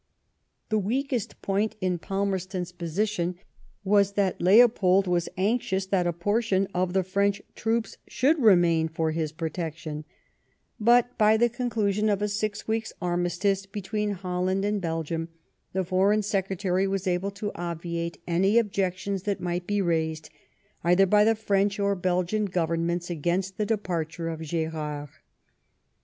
The weakest point in Palmerston's position was that Leopold was anxious that a portion of the French troops should remain for his protection, but by the conclusion of a six weeks' armistice between Holland and Belgium, the Foreign Secretary was able to obviate any objections that might be raised either by the French or BelgiaQ Governments against the departure of Gerard.